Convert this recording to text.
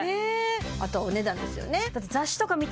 あとはお値段ですよねだって